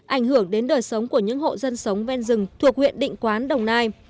ảnh hưởng đến đời sống của những hộ dân sống ven rừng thuộc huyện định quán đồng nai